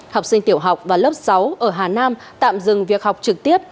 học sinh tiểu học và lớp sáu ở hà nam tạm dừng việc học trực tiếp